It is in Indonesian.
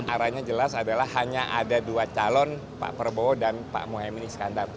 aranya jelas adalah hanya ada dua calon pak perbowo dan pak mohamad iskandar